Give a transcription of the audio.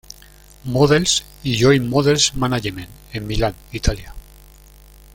Models, y Joy Models Management en Milán, Italia.